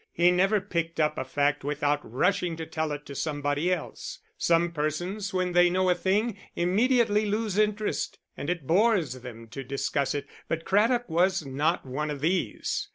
He never picked up a fact without rushing to tell it to somebody else. Some persons when they know a thing immediately lose interest and it bores them to discuss it, but Craddock was not of these.